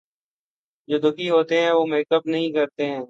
جو دکھی ھوتے ہیں وہ میک اپ نہیں کرتے ہیں